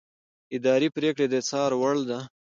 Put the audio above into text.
اداري پرېکړه د څار وړ ده.